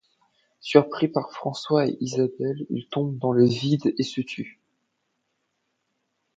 Surpris par François et Isabelle, il tombe dans le vide et se tue.